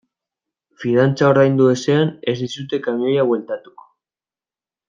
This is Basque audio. Fidantza ordaindu ezean ez dizute kamioia bueltatuko.